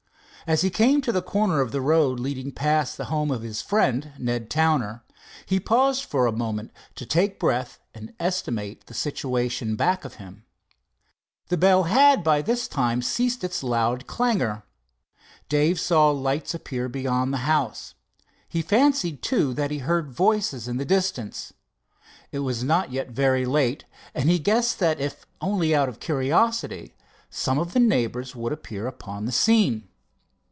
As he came to the corner of the road leading past the home of his friend, Ned Towner, he paused for a moment to take breath and estimate the situation back of him. The bell had by this time ceased its loud clangor. Dave saw lights appear beyond the house. He fancied, too, that he heard voices in the distance. It was not yet very late, and he guessed that, if only out of curiosity, some of the neighbors would appear upon the scene.